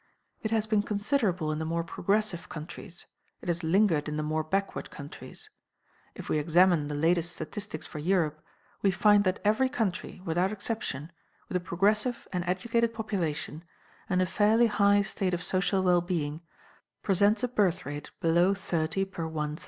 It has been considerable in the more progressive countries; it has lingered in the more backward countries. If we examine the latest statistics for Europe, we find that every country, without exception, with a progressive and educated population, and a fairly high state of social well being, presents a birth rate below 30 per 1,000.